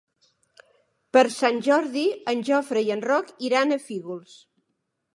Per Sant Jordi en Jofre i en Roc iran a Fígols.